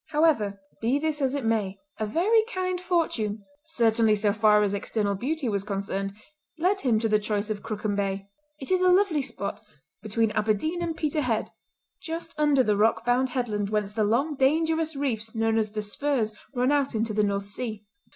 However, be this as it may, a very kind fortune—certainly so far as external beauty was concerned—led him to the choice of Crooken Bay. It is a lovely spot, between Aberdeen and Peterhead, just under the rock bound headland whence the long, dangerous reefs known as The Spurs run out into the North Sea.